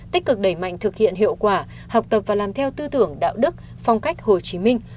tích cực đẩy mạnh thực hiện hiệu quả học tập và làm theo tư tưởng đạo đức phong cách hồ chí minh